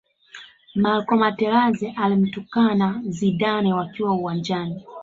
marco materazi alimtukana zidane wakiwa uwanjani